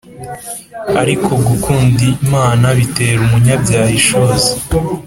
ariko gukunda Imana bitera umunyabyaha ishozi